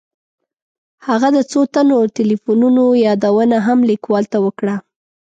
هغه د څو تنو تیلیفونونو یادونه هم لیکوال ته وکړه.